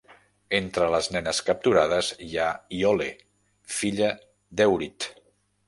Entre les nenes capturades hi ha Iole, filla d'Èurit.